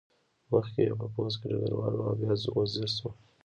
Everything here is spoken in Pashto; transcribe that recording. مخکې یې په پوځ کې ډګروال و او بیا وزیر شو.